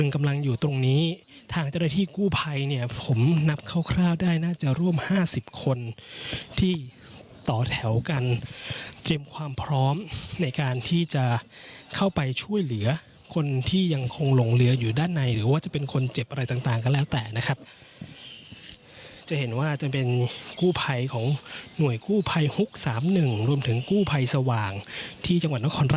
กำลังอยู่ตรงนี้ทางเจ้าหน้าที่กู้ภัยเนี่ยผมนับคร่าวได้น่าจะร่วม๕๐คนที่ต่อแถวกันเตรียมความพร้อมในการที่จะเข้าไปช่วยเหลือคนที่ยังคงลงเรืออยู่ด้านในหรือว่าจะเป็นคนเจ็บอะไรต่างก็แล้วแต่นะครับจะเห็นว่าจะเป็นกู้ภัยของหน่วยกู้ภัยฮุก๓๑รวมถึงกู้ภัยสว่างที่จังหวัดนครพ